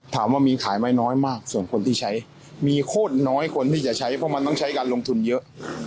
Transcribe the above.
ถามว่ามีขายไหมน้อยมากส่วนคนที่ใช้มีโคตรน้อยคนที่จะใช้เพราะมันต้องใช้การลงทุนเยอะ